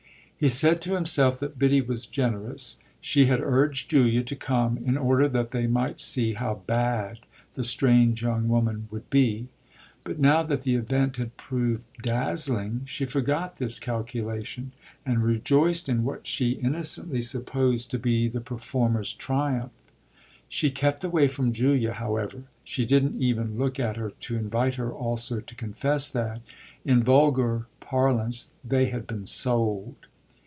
He said to himself that Biddy was generous. She had urged Julia to come in order that they might see how bad the strange young woman would be, but now that the event had proved dazzling she forgot this calculation and rejoiced in what she innocently supposed to be the performer's triumph. She kept away from Julia, however; she didn't even look at her to invite her also to confess that, in vulgar parlance, they had been sold.